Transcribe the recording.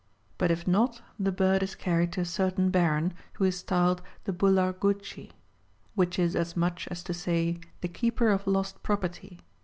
But if not, the bird is carried to a certain Baron, who is styled the Btdarguchi, which is as much as to say "The Keeper of Lost Property."